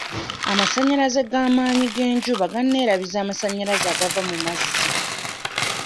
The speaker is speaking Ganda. Amasannyalaze g'amaanyi g'enjuba ganeerabiza amasannyalaze agava mu mazzi.